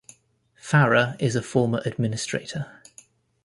Farrah is a former administrator.